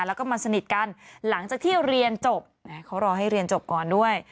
แล้วก็มาสนิทกันหลังจากที่เรียนจบเขารอให้เรียนจบก่อนด้วย